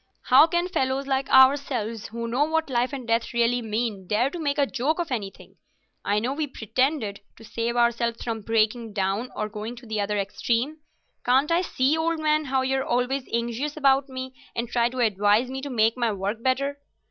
"How can fellows like ourselves, who know what life and death really mean, dare to make a joke of anything? I know we pretend it, to save ourselves from breaking down or going to the other extreme. Can't I see, old man, how you're always anxious about me, and try to advise me to make my work better?